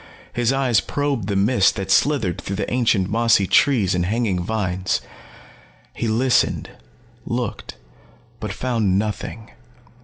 His eyes probed the mist that slithered through the ancient mossy trees and hanging vines. He listened, looked, but found nothing.